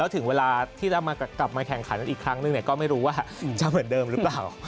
ถึงเวลาที่จะกลับมาแข่งขันอีกครั้งหนึ่งก็ไม่รู้ว่าจะเหมือนเดิมหรือเปล่า